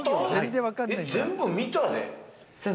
全部見たで。